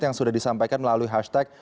yang sudah disampaikan melalui hashtag